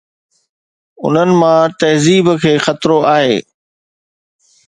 انهن مان تهذيب کي خطرو آهي